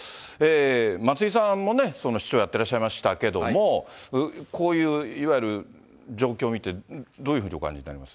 松井さんもね、市長やってらっしゃいましたけれども、こういういわゆる、状況見て、どういうふうにお感じになります？